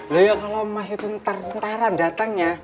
lha ya kalo mas itu ntar ntaran datang ya